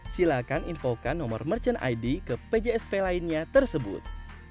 silakan infokan nomor merchant id ke pjsp lainnya tersebut